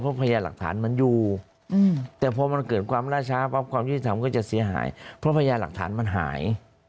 เพราะพญาหลักฐานมันอยู่แต่พอมันเกิดความล่าช้าปั๊บความยุติธรรมก็จะเสียหายเพราะพยาหลักฐานมันหาย